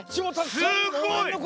すごい！